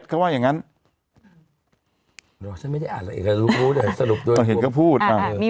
แล้วไงอ้าวฟังอยู่ไง